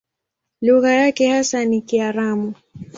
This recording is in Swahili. Lugha yake hasa ni Kiaramu.